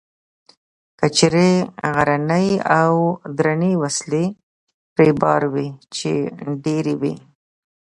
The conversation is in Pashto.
کچرې غرنۍ او درنې وسلې پرې بار وې، چې ډېرې وې.